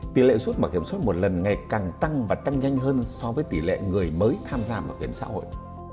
tỷ lệ suốt bảo hiểm suốt một lần ngày càng tăng và tăng nhanh hơn so với tỷ lệ người mới tham gia bảo hiểm xã hội